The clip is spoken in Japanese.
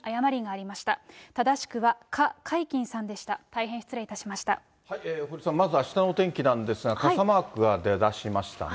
あしたのお天気なんですが、傘マークが出だしましたね。